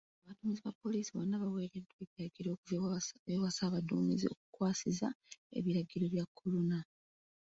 Abaduumizi ba poliisi bonna baweereddwa ebiragiro okuva ewa ssaabaduumizi okukwasisa ebiragiro bya Corona.